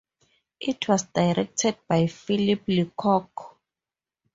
It was directed by Philip Leacock.